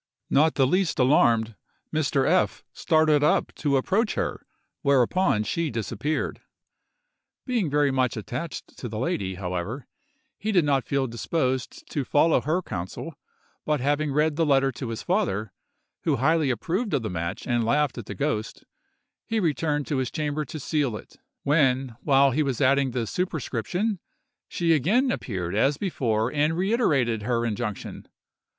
Not the least alarmed, Mr. F—— started up to approach her, whereupon she disappeared. Being very much attached to the lady, however, he did not feel disposed to follow her counsel; but having read the letter to his father, who highly approved of the match and laughed at the ghost, he returned to his chamber to seal it; when, while he was adding the superscription, she again appeared as before and reiterated her injunction.